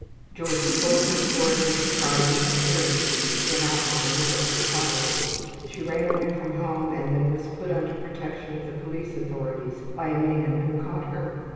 Georgia told her story with surprising coherency; in outline, it was as follows: She ran away from home, and then was put under protection of the police authorities by a man who caught her.